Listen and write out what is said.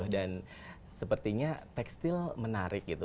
dan sepertinya tekstil menarik gitu